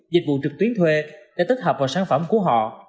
dịch vụ trực tuyến thuê để tích hợp vào sản phẩm của họ